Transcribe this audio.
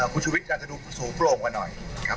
คุณชูวิทน่าจะดูสูงโปร่งมาหน่อย